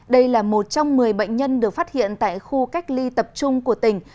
đây là một trong một mươi bệnh nhân được phát hiện tại khu cách ly tập trung của tỉnh